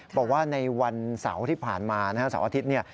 บอกว่าในวันเสาร์ที่ผ่านมาส่วนอาทิตย์